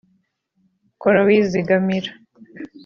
kora wizigamira